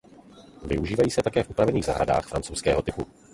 Využívají se také v upravených zahradách francouzského typu.